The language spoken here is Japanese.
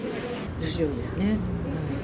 女子寮ですね。